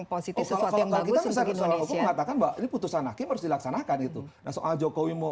positif sesuatu yang bagus untuk indonesia ini putusan hakim harus dilaksanakan itu jokowi mau